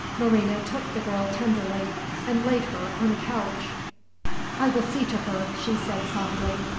Marina took the girl tenderly, and laid her on a couch. "I will see to her," she said, softly.